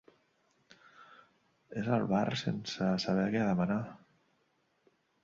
És al bar, sense saber què demanar.